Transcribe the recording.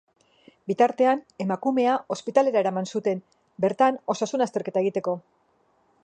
Bitartean, emakumea ospitalera eraman zuten, bertan osasun-azterketa egiteko.